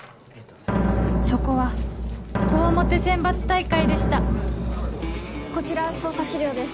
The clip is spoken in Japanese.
そこは強面選抜大会でしたこちら捜査資料です。